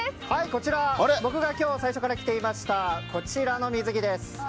こちら、僕が今日最初から着ていましたこちらの水着です。